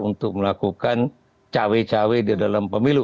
untuk melakukan cawe cawe di dalam pemilu